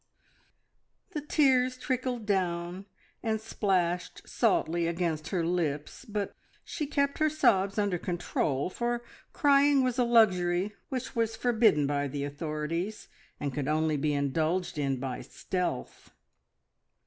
Boo hoo hoo!" The tears trickled down and splashed saltly against her lips, but she kept her sobs under control, for crying was a luxury which was forbidden by the authorities, and could only be indulged in by stealth.